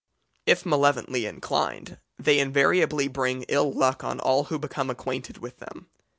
If malevolently inclined, they invariably bring ill luck on all who become acquainted with them.